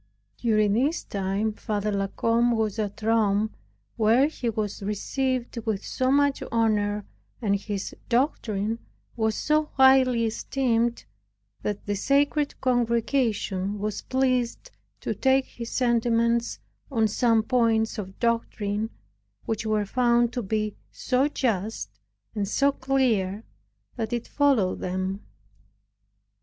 During this time Father La Combe was at Rome, where he was received with so much honor, and his doctrine was so highly esteemed, that the Sacred Congregation was pleased to take his sentiments on some points of doctrine, which were found to be so just, and so clear, that it followed them.